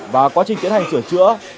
và quá trình tiến hành sửa chữa